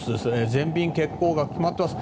全便欠航が決まっています。